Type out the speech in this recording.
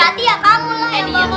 berarti ya kamu lah yang bangkit